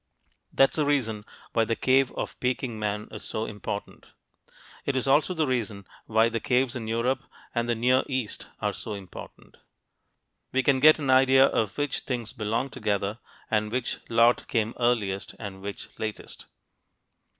That's the reason why the cave of Peking man is so important. It is also the reason why the caves in Europe and the Near East are so important. We can get an idea of which things belong together and which lot came earliest and which latest.